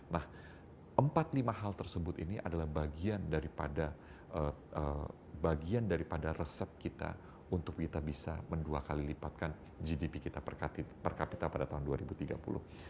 nah empat lima hal tersebut ini adalah bagian daripada bagian daripada resep kita untuk kita bisa mendua kali lipatkan gdp kita per kapita pada tahun dua ribu tiga puluh